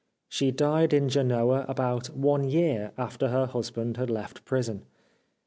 She died in Genoa about one year after her husband had left prison.